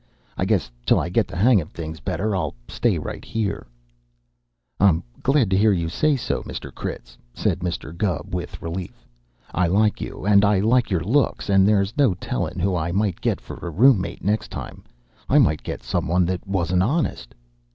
I guess, till I get the hang of things better, I'll stay right here." "I'm glad to hear you say so, Mr. Critz," said Mr. Gubb with relief. "I like you, and I like your looks, and there's no tellin' who I might get for a roommate next time. I might get some one that wasn't honest."